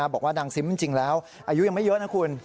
บอกว่านางซิมจริงแล้วอายุยังไม่เยอะนะคุณ